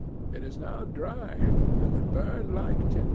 It is now dry and would burn like tow."